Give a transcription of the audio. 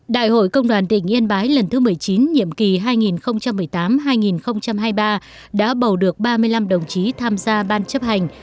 đại hội công đoàn tỉnh yên bái lần thứ một mươi chín nhiệm kỳ hai nghìn một mươi tám hai nghìn hai mươi ba đã bầu được ba mươi năm đồng chí tham gia ban chấp hành